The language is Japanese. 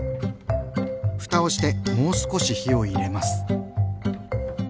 ふたをしてもう少し火を入れます。